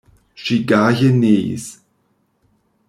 Ŝi gaje neis.